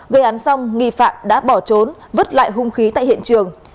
gây án xong nghi phạm đã bỏ trốn vứt lại hung khí tại hiện trường